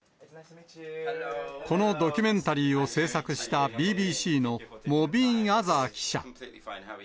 このドキュメンタリーを制作したＢＢＣのモビーン・アザー記者。